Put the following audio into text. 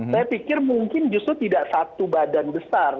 saya pikir mungkin justru tidak satu badan besar